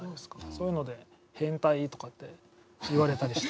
そういうので変態とかって言われたりして。